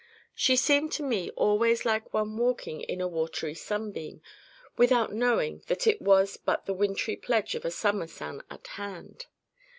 She seemed to me always like one walking in a "watery sunbeam," without knowing that it was but the wintry pledge of a summer sun at hand.